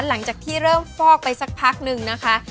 หลังจากที่เริ่มฟอกไปสักพักนึงนะคะ